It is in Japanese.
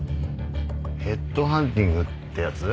ヘッドハンティングってやつ。